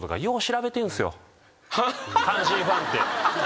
阪神ファンって。